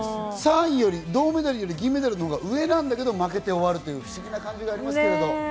３位より銅メダルより銀メダルのほうが上なんだけど負けて終わるっていう不思議な感じがありますね。